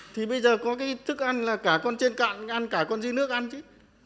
thì bây giờ có cái thức ăn là cả con trên cạn ăn cả con dư nước ăn chứ